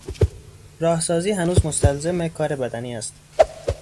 راهسازی هنوز مستلزم کار بدنی است.